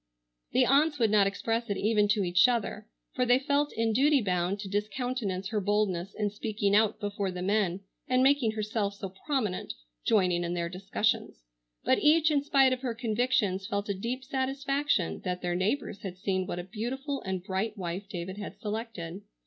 The aunts would not express it even to each other,—for they felt in duty bound to discountenance her boldness in speaking out before the men and making herself so prominent, joining in their discussions,—but each in spite of her convictions felt a deep satisfaction that their neighbors had seen what a beautiful and bright wife David had selected.